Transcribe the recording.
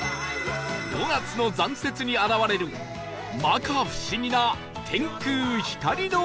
５月の残雪に現れる摩訶不思議な天空光のアート